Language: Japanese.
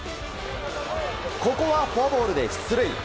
ここはフォアボールで出塁。